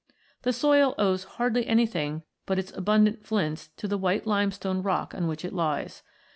The soil owes hardly anything but its abundant flints to the white lime stone rock on which it lies.